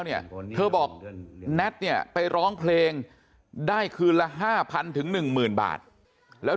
เนี่ยเธอบอกแน็ตเนี่ยไปร้องเพลงได้คืนละ๕๐๐ถึง๑๐๐บาทแล้ว